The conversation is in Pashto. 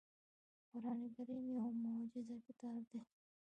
قرآن کریم یو معجز کتاب دی .